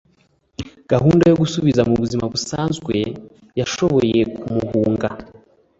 gahunda yo gusubiza mu buzima busanzwe. yashoboye kumuhunga